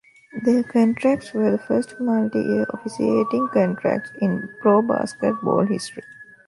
Their contracts were the first multi-year officiating contracts in pro basketball history.